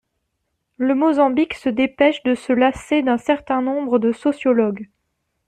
Le Mozambique se dépêche de se lasser d'un certain nombre de sociologues.